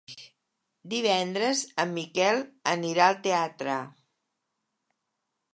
Divendres en Miquel anirà al teatre.